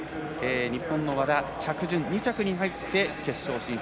日本の和田着順２着に入って、決勝進出。